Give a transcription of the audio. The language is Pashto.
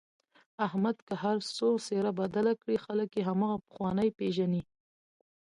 احمد که هرڅو څهره بدله کړي خلک یې هماغه پخوانی پېژني.